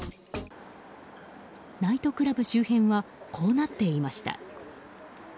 ナイトクラブ周辺はこうなっていました。